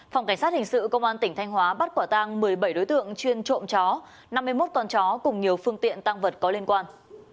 phòng cảnh sát hình sự công an tỉnh thanh hóa bắt quả tang một mươi bảy đối tượng chuyên trộm chó năm mươi một con chó cùng nhiều phương tiện tăng vật có liên quan